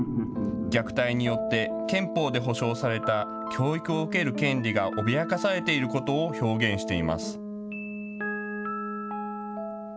虐待によって憲法で保障された教育を受ける権利が脅かされていることを表現しています。